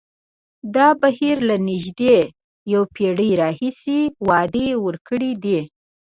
دا بهیر له نژدې یوه پېړۍ راهیسې وعدې ورکړې دي.